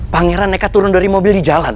pangeran nekat turun dari mobil di jalan